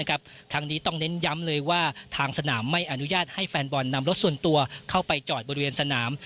ทั้งนี้ต้องเน้นย้ำเลยว่าทางสนามไม่อนุญาตให้แฟนบอลนำรถส่วนตัวเข้าไปจอดบริเวณสนาม